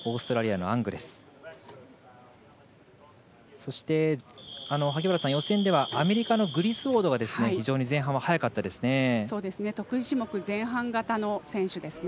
そして、予選ではアメリカのグリスウォードが非常に前半は速かったですね。